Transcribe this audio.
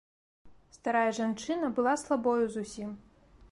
Старая жанчына была слабою зусім.